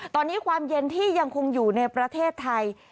ตอนนี้ความเย็นที่ยังคงอยู่ในประเทศไทย